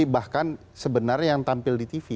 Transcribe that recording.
bahkan sebenarnya yang tampil di tv